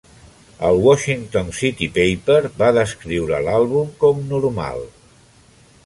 El Washington City Paper va descriure l'àlbum com "normal".